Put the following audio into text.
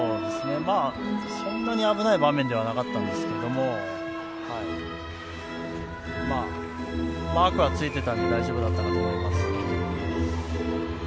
そんなに危ない場面ではなかったんですけど、マークはついてたんで大丈夫だったかと思います。